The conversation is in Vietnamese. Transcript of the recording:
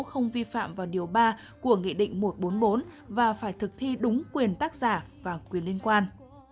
không vi phạm vào điều ba của nghị định một trăm bốn mươi bốn và phải thực thi đúng quyền tác giả và quyền liên quan